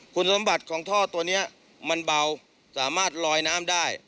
คุณสมบัติของท่อตัวนี้มันเบาสามารถลอยน้ำได้